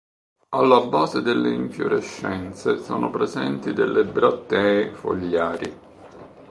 Alla base delle infiorescenze sono presenti delle brattee fogliari.